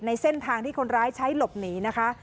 เส้นทางที่คนร้ายใช้หลบหนีนะคะ